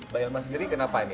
pak yelma sendiri kenapa ini